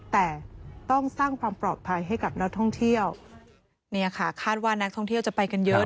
แต่ต้องสร้างความปลอดภัยให้กับนักท่องเที่ยวเนี่ยค่ะคาดว่านักท่องเที่ยวจะไปกันเยอะ